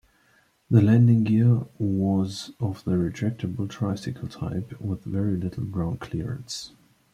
The landing gear was of the retractable tricycle type with very little ground clearance.